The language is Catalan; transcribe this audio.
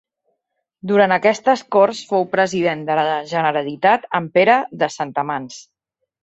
Durant aquestes Corts fou President de la Generalitat en Pere de Santamans.